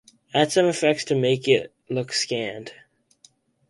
Add some effects to make it look scanned